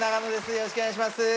よろしくお願いします。